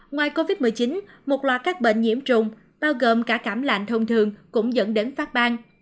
ngoài covid một mươi chín một loạt các bệnh nhiễm trùng bao gồm cả cảm lạnh thông thường cũng dẫn đến phát bang